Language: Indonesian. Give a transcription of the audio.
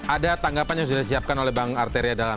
ada tanggapan yang sudah disiapkan oleh bang arteri adalan